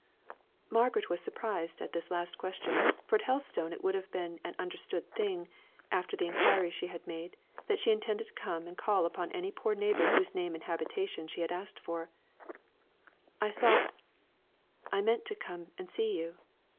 Margaret was surprised at this last question, for at Helstone it would have been an understood thing, after the enquiries she had made, that she intended to come and call upon any poor neighbour whose name and habitation she had asked for. "I thought I meant to come and see you."